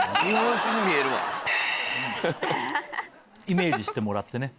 イメージしてもらってね。